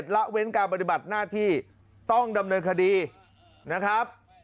ละเว้นการปฏิบัติหน้าที่ต้องดำเนินคดีนะครับ